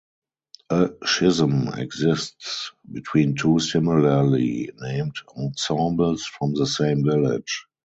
A schism exists between two similarly-named ensembles from the same village.